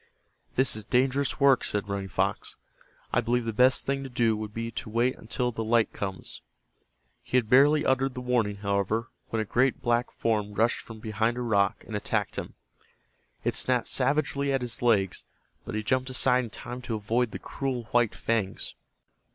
"This is dangerous work," said Running Fox. "I believe the best thing to do would be to wait until the light comes." He had barely uttered the warning, however, when a great black form rushed from behind a rock and attacked him. It snapped savagely at his legs, but he jumped aside in time to avoid the cruel white fangs.